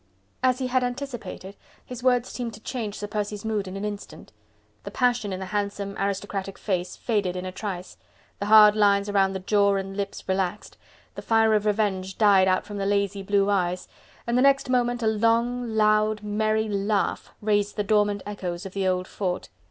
As he had anticipated, his words seemed to change Sir Percy's mood in an instant. The passion in the handsome, aristocratic face faded in a trice, the hard lines round the jaw and lips relaxed, the fire of revenge died out from the lazy blue eyes, and the next moment a long, loud, merry laugh raised the dormant echoes of the old fort.